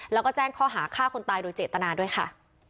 แล้วก็แจ้งข้อหาฆ่าคนตายโดยเจตนาด้วยค่ะ